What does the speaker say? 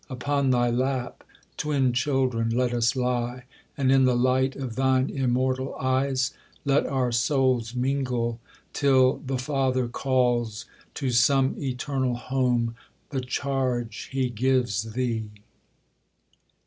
Upon thy lap, twin children, let us lie; And in the light of thine immortal eyes Let our souls mingle, till The Father calls To some eternal home the charge He gives thee.